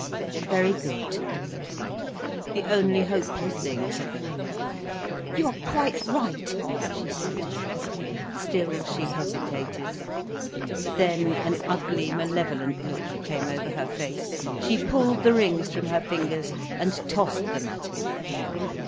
"Very good," he said. "The only hopeless thing is a fool." "You are quite right," she said. Still she hesitated. Then an ugly, malevolent look came over her face, she pulled the rings from her fingers, and tossed them at him.